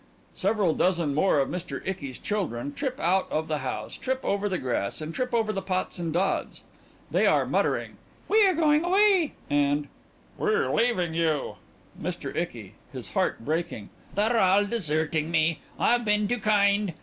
(Several dozen more of MR. ICKY'S _children trip out of the house, trip over the grass, and trip over the pots and dods. They are muttering "We are going away," and "We are leaving you."_) MR. ICKY: (His heart breaking) They're all deserting me. I've been too kind.